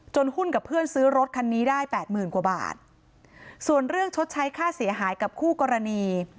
หุ้นกับเพื่อนซื้อรถคันนี้ได้แปดหมื่นกว่าบาทส่วนเรื่องชดใช้ค่าเสียหายกับคู่กรณี